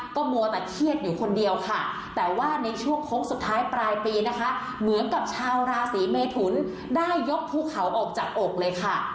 ก็มัวแต่เครียดอยู่คนเดียวค่ะแต่ว่าในช่วงโค้งสุดท้ายปลายปีนะคะเหมือนกับชาวราศีเมทุนได้ยกภูเขาออกจากอกเลยค่ะ